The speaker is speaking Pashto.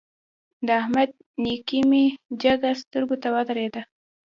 د احمد نېکي مې جګه سترګو ته ودرېده.